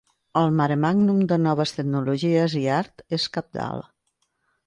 El maremàgnum de noves tecnologies i art és cabdal.